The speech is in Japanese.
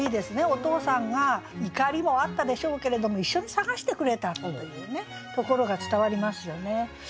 お父さんが怒りもあったでしょうけれども一緒に探してくれたというところが伝わりますよね。